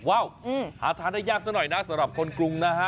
ว้าวหาทานได้ยากซะหน่อยนะสำหรับคนกรุงนะฮะ